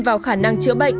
vào khả năng chữa bệnh